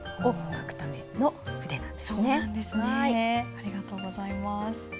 ありがとうございます。